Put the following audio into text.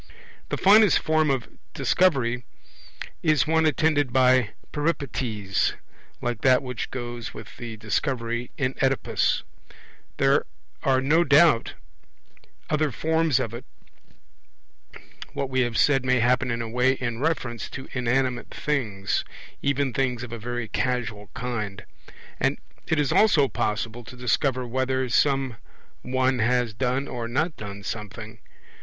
The finest form of Discovery is one attended by Peripeties, like that which goes with the Discovery in Oedipus. There are no doubt other forms of it; what we have said may happen in a way in reference to inanimate things, even things of a very casual kind; and it is also possible to discover whether some one has done or not done something.